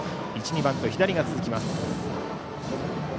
１、２番と左が続きます。